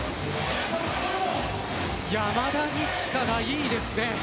山田二千華がいいですね。